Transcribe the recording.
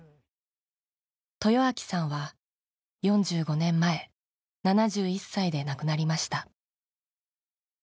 豊秋さんは４５年前７１歳で亡くなりました。